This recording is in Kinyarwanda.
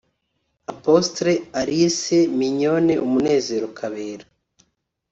Apostle Alice Mignonne Umunezero Kabera